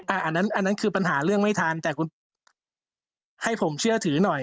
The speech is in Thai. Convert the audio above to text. อ่านั้นคือปัญหาเรื่องไม่ทันให้ผมเชื่อถือหน่อย